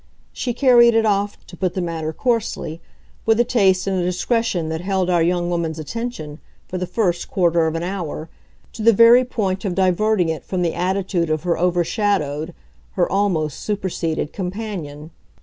She carried it off, to put the matter coarsely, with a taste and a discretion that held our young woman's attention, for the first quarter of an hour, to the very point of diverting it from the attitude of her overshadowed, her almost superseded companion.